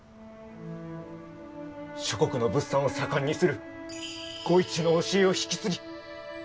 諸国の物産を盛んにする互市の教えを引き継ぎ